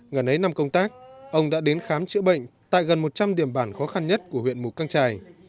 ngày ấy năm công tác ông đã đến khám chữa bệnh tại gần một trăm linh điểm bản khó khăn nhất của huyện mù căng trải